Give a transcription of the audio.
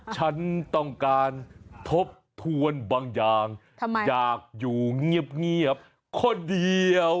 ฉันต้องการทบทวนบางอย่างอยากอยู่เงียบคนเดียว